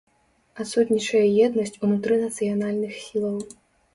Адсутнічае еднасць унутры нацыянальных сілаў.